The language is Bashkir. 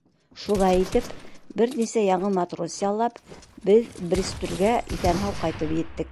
Шулай итеп, бер нисә яңы матрос яллап, беҙ Бристолгә иҫән-һау ҡайтып еттек.